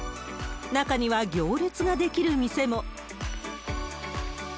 中には行列が出来る店も。